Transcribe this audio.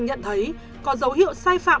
nhận thấy có dấu hiệu sai phạm